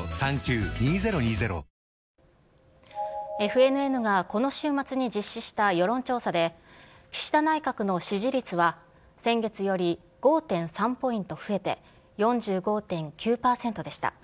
ＦＮＮがこの週末に実施した世論調査で、岸田内閣の支持率は、先月より５．３ポイント増えて、４５．９％でした。